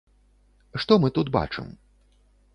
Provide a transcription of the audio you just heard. Што мы тут бачым?